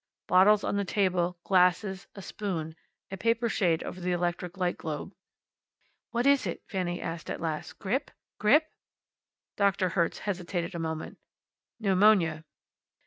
Bottles on the table, glasses, a spoon, a paper shade over the electric light globe. "What is it?" said Fanny, at last. "Grip? grip?" Doctor Hertz hesitated a moment. "Pneumonia."